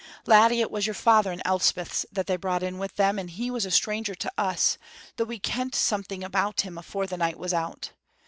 "Laddie, it was your father and Elspeth's that they brought wi' them, and he was a stranger to us, though we kent something about him afore the night was out.